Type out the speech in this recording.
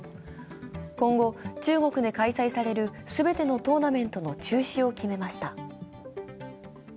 今後、中国で開催される全てのトーナメントの中止を決めました。